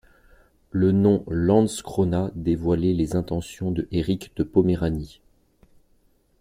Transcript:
Le nom Landskrona dévoilait les intentions de Éric de Poméranie.